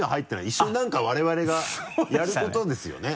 一緒に何か我々がやることですよね？